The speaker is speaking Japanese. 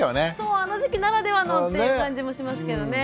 あの時期ならではのっていう感じもしますけどね。